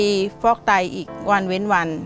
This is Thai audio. มีฟอกไตอีกวันเว้นวัน